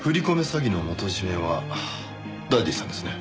詐欺の元締はダディさんですね。